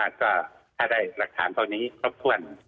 ก็ถ้าได้หลักฐานเท่านี้ครบถ้วน